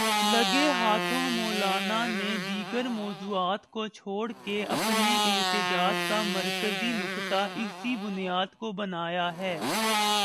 لگے ہاتھوں مولانا نے دیگر موضوعات کو چھوڑ کے اپنے احتجاج کا مرکزی نکتہ اسی بنیاد کو بنایا ہے۔